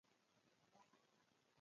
لمونځ مو په لښکرګاه کې وکړ.